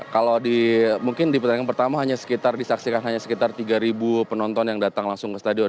kalau di mungkin di pertandingan pertama hanya sekitar disaksikan hanya sekitar tiga penonton yang datang langsung ke stadion